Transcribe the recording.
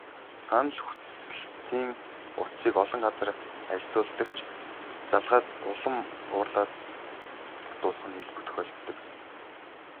Санал хүсэлтийн утсыг олон газар ажиллуулдаг ч, залгаад улам уурлаад дуусах нь элбэг тохиолддог.